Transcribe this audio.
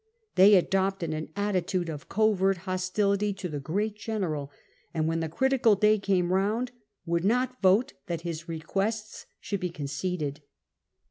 They adopted an attitude of covert hostility to the great general, and when the critical day came round, wonld not vote that his requests should be conceded.